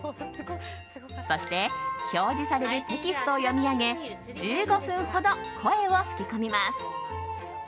そして表示されるテキストを読み上げ１５分ほど、声を吹き込みます。